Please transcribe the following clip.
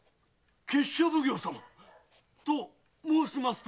闕所奉行様⁉と申しますと？